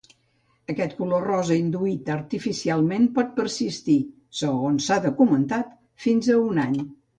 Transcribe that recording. Aquest color rosa induït artificialment pot persistir, segons s'ha documentat, fins a un any.